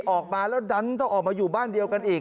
ออกมาแล้วดันต้องออกมาอยู่บ้านเดียวกันอีก